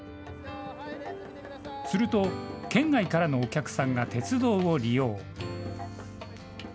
すると県外からのお客さんが鉄道を利用。